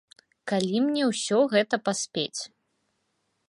Калі мне ўсё гэта паспець?